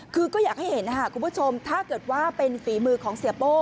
คือก็อยากให้เห็นนะคะคุณผู้ชมถ้าเกิดว่าเป็นฝีมือของเสียโป้